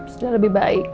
sudah lebih baik